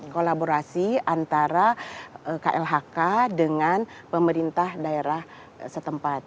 kolaborasi antara klhk dengan pemerintah daerah setempat